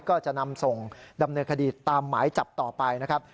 ก็จะนำส่งดำเนินคดีตามหมายจับต่อไปนะครับ